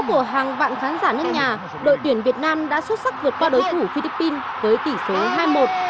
của hàng vạn khán giả nước nhà đội tuyển việt nam đã xuất sắc vượt qua đối thủ philippines với tỷ số hai một